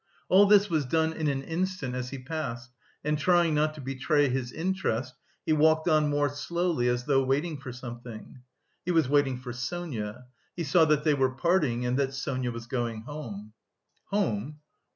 All this was done in an instant as he passed, and trying not to betray his interest, he walked on more slowly as though waiting for something. He was waiting for Sonia; he saw that they were parting, and that Sonia was going home. "Home?